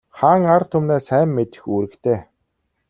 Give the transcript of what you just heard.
Хаан ард түмнээ сайн мэдэх үүрэгтэй.